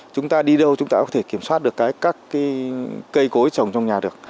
chúng ta đi đâu chúng ta có thể kiểm soát được các cây cối trồng trong nhà được